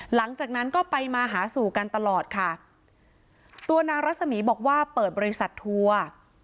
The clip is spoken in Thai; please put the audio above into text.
หลังจากนั้นก็ไปมาหาสู่กันตลอดค่ะตัวนางรัศมีร์บอกว่าเปิดบริษัททัวร์